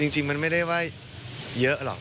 จริงมันไม่ได้ไหว้เยอะหรอก